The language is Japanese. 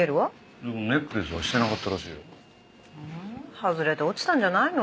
外れて落ちたんじゃないの？